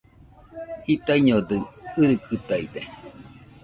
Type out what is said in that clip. Jitaiñodɨ, irikɨtaide